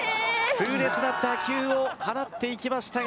痛烈な打球を放っていきましたが。